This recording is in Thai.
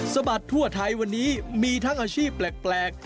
บัดทั่วไทยวันนี้มีทั้งอาชีพแปลก